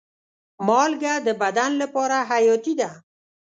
مالګه د بدن لپاره حیاتي ده.